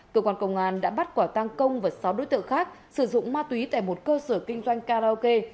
cơ quan công an đã bắt quả tăng công và sáu đối tượng khác sử dụng ma túy tại một cơ sở kinh doanh karaoke